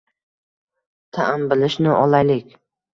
Ta`m bilishni olaylik